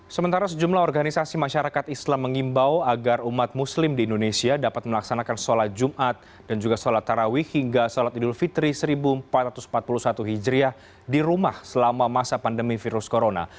sementara sejumlah organisasi masyarakat islam mengimbau agar umat muslim di indonesia dapat melaksanakan sholat jumat dan juga sholat tarawih hingga sholat idul fitri seribu empat ratus empat puluh satu hijriah di rumah selama masa pandemi virus corona